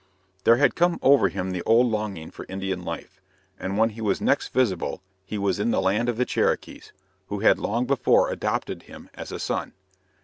There had come over him the old longing for Indian life; and when he was next visible he was in the land of the Cherokees, who had long before adopted him as a son.